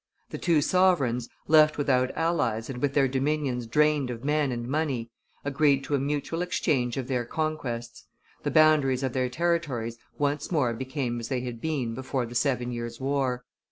The two sovereigns, left without allies and with their dominions drained of men and money, agreed to a mutual exchange of their conquests; the boundaries of their territories once more became as they had been before the Seven Years' War.